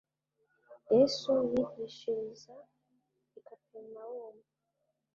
Yesu yigishiriza i Kaperinawumu